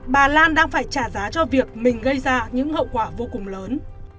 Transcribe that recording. bà lan đang phải trả giá cho việc mình gây ra những hậu quả vô cùng lớn